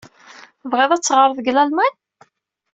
Tebɣiḍ ad teɣreḍ deg Lalman?